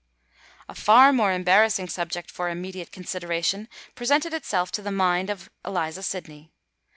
A far more embarrassing subject for immediate consideration presented itself to the mind of Eliza Sydney.